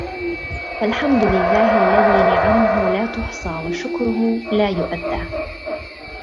فَالْحَمْدُ لِلَّهِ الَّذِي نِعَمُهُ لَا تُحْصَى وَشُكْرُهُ لَا يُؤَدَّى